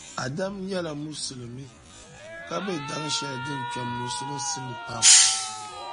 Adam nyɛla Musulimi ka be daŋ shɛli din kpԑm Musulinsi ni pam.